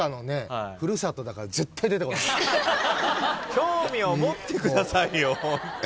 興味を持ってくださいよホントに。